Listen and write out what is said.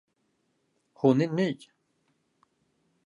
Hon är ny.